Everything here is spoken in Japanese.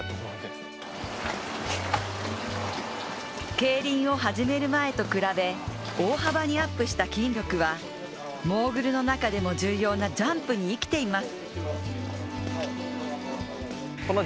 競輪を始める前と比べ大幅にアップした筋力は、モーグルの中でも重要なジャンプに生きています。